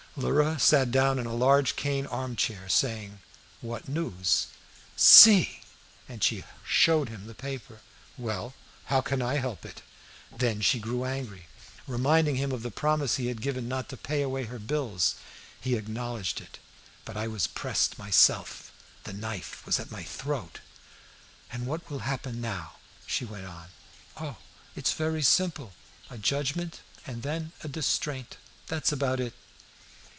Lheureux sat down in a large cane arm chair, saying: "What news?" "See!" And she showed him the paper. "Well how can I help it?" Then she grew angry, reminding him of the promise he had given not to pay away her bills. He acknowledged it. "But I was pressed myself; the knife was at my own throat." "And what will happen now?" she went on. "Oh, it's very simple; a judgment and then a distraint that's about it!"